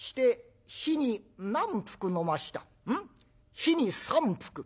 日に３服？